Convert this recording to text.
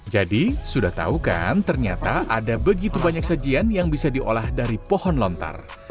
jadi sudah tahu kan ternyata ada begitu banyak sejian yang bisa diolah dari pohon lontar